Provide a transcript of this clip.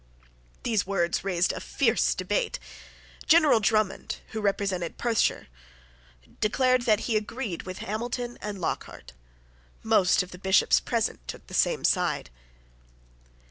These words raised a fierce debate. General Drummond, who represented Perthshire, declared that he agreed with Hamilton and Lockhart. Most of the Bishops present took the same side.